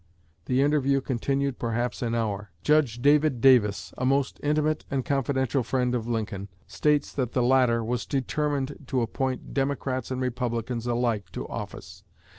The interview continued perhaps an hour." Judge David Davis, a most intimate and confidential friend of Lincoln, states that the latter was firmly determined to appoint "Democrats and Republicans alike to office."